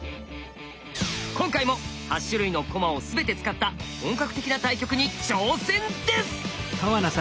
今回も８種類の駒を全て使った本格的な対局に挑戦です！